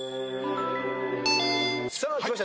さあきました